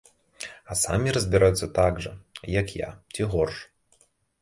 А самі разбіраюцца так жа, як я, ці горш.